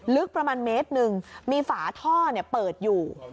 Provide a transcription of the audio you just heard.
ลึกประมาณเมตรหนึ่งมีฝาท่อเปิดอยู่